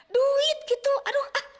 duit gitu aduh